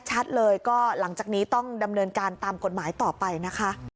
ชัดเลยก็หลังจากนี้ต้องดำเนินการตามกฎหมายต่อไปนะคะ